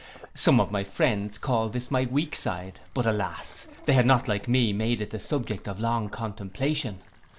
Some of my friends called this my weak side; but alas! they had not like me made it the subject of long contemplation.